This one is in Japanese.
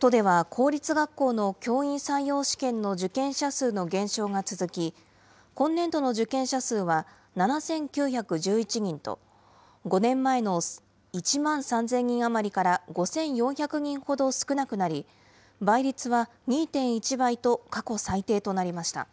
都では公立学校の教員採用試験の受験者数の減少が続き、今年度の受験者数は７９１１人と、５年前の１万３０００人余りから５４００人ほど少なくなり、倍率は２．１倍と過去最低となりました。